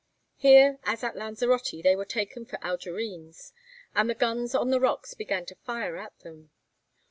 Here, as at Lanzarote, they were taken for Algerines, and the guns on the rocks began to fire at them.